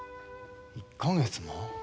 １か月も？